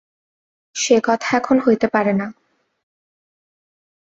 সে কথা এখন হইতে পারে না।